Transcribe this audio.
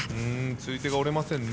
釣り手が折れませんね